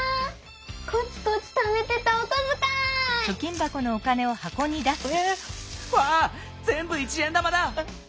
コツコツためてたおこづかい！えわあぜんぶ１円玉だ！